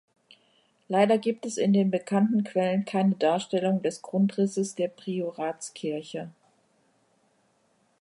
Leider gibt es in den bekannten Quellen keine Darstellung des Grundrisses der Prioratskirche.